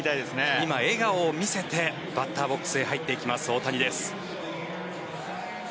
今、笑顔を見せてバッターボックスに入っていきます、大谷です。